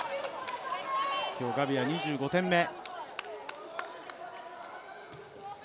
今日、ガビは２５点目。